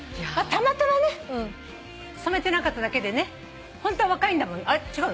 たまたまね染めてなかっただけでねホントは若いんだもんねあれっ？